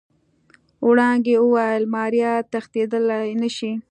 وړانګې وويل ماريا تښتېدل نشي.